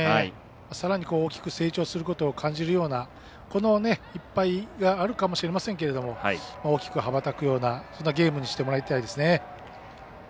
さらに大きく成長することを感じるようなこの１敗があるかもしれませんけども大きく羽ばたくようなそんなゲームにしてもらいたいですね。